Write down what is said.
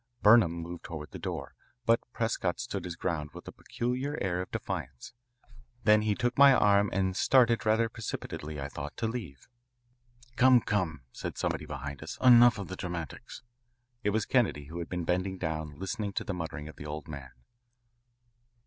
Burnham moved toward the door, but Prescott stood his ground with a peculiar air of defiance. Then he took my arm and started rather precipitately, I thought, to leave. "Come, come," said somebody behind us, "enough of the dramatics." It was Kennedy, who had been bending down, listening to the muttering of the old man.